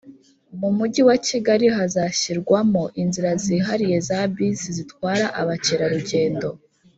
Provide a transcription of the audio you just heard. mu Mujyi wa Kigali hazashyirwamo inzira zihariye za bisi zitwara abakerarugendo